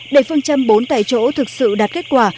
để phương châm bốn tại chỗ thực sự đạt kết quả